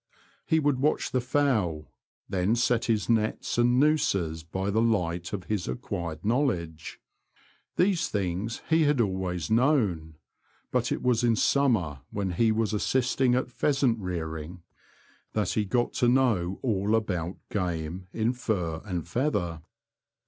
He would watch the fowl, then set his nets and noozes by the light of his acquired knowledge. These things he had always known, but it was in summer, when he was assisting at pheasant rearing, that he got to know all about game The Confessions of a Poacher. 35 in fur and feather.